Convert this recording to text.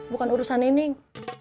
bukan urusan nining